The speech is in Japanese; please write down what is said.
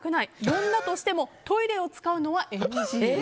呼んだとしてもトイレを使うのはＮＧと。